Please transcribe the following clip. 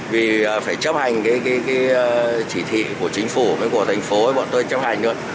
vì phải chấp hành chỉ thị của chính phủ với của thành phố bọn tôi chấp hành luôn